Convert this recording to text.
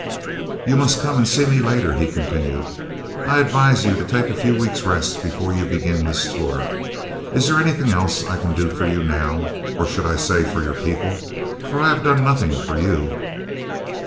"You must come and see me later," he continued. "I advise you to take a few weeks' rest before you begin this tour. Is there anything else I can do for you now, or, I should say, for your people, for I have done nothing for you."